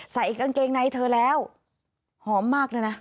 ใส่กางเกงในเธอแล้วหอมมากเลยนะ